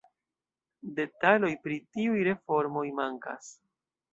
Detaloj pri tiuj reformoj mankas.